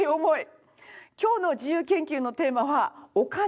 今日の自由研究のテーマはお金です。